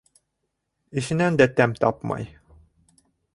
Эшенән дә тәм тапмай.